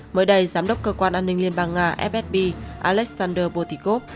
mới đây giám đốc cơ quan an ninh liên bang nga fsb alexander potikov